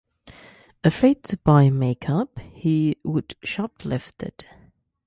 Afraid to buy makeup, he would shoplift it.